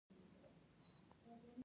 زه د ستونزو د حل لپاره مشوره کوم.